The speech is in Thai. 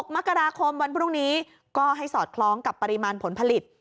๖มกราคมวันพรุ่งนี้ก็ให้สอดคล้องกับปริมาณผลผลิต